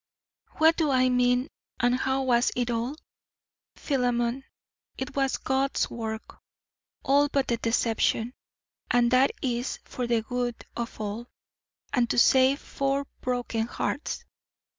What do I mean and how was it all? Philemon, it was God's work, all but the deception, and that is for the good of all, and to save four broken hearts.